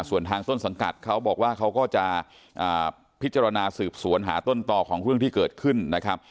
ส่วนทางต้นสังกัดเขาบอกว่าเขาก็จะพิจารณาสืบสวนหาต้นต่อของเรื่องที่เกิดขึ้นนะครับ